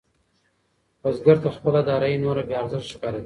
بزګر ته خپله دارايي نوره بې ارزښته ښکارېده.